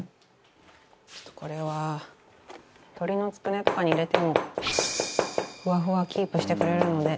これは鶏のつくねとかに入れてもふわふわをキープしてくれるので。